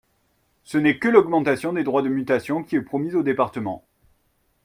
Ce n’est que l’augmentation des droits de mutation qui est promise aux départements.